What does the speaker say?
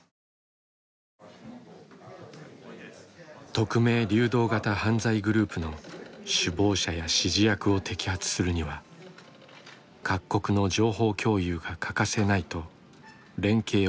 匿名・流動型犯罪グループの首謀者や指示役を摘発するには各国の情報共有が欠かせないと連携を呼びかけた。